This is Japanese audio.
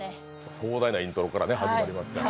壮大なイントロが始まりますから。